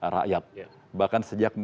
rakyat bahkan sejak